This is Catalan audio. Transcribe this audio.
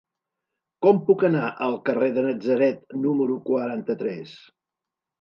Com puc anar al carrer de Natzaret número quaranta-tres?